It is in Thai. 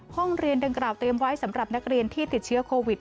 ห้องเรียนดังกล่าวเตรียมไว้สำหรับนักเรียนที่ติดเชื้อโควิด